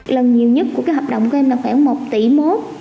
lần nhiều nhất của hợp đồng của em là khoảng một tỷ mốt